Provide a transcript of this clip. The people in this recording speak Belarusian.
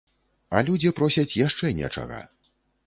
А людзі просяць яшчэ нечага.